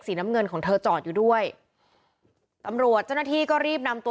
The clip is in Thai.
น้ำเงินของเธอจอดอยู่ด้วยตำรวจเจ้าหน้าที่ก็รีบนำตัว